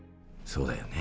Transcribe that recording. そうだよね？